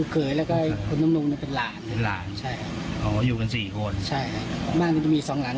ข้าทักทายจนก่อนไม่มีอะไร